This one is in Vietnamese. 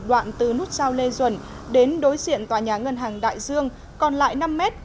đoạn từ nút sao lê duẩn đến đối diện tòa nhà ngân hàng đại dương còn lại năm mét